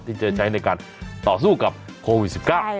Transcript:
ที่จะใช้ในการต่อสู้กับโควิด๑๙